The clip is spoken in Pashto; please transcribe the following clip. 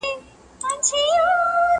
فکرونه ورو ورو پراخېږي ډېر